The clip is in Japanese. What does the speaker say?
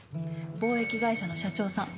貿易会社の社長さん